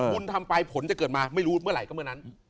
บุญทำไปผลจะเกิดมาไม่รู้เมื่อไหร่ก็เมื่อนั้น